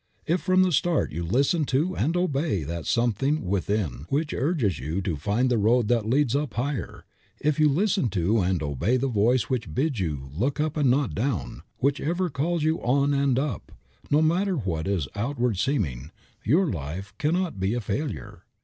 If from the start you listen to and obey that something within which urges you to find the road that leads up higher; if you listen to and obey the voice which bids you look up and not down, which ever calls you on and up, no matter what its outward seeming, your life can not be a failure.